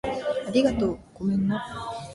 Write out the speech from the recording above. ありがとう。ごめんな